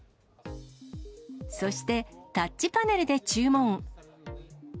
そして、タッチパネルで注文。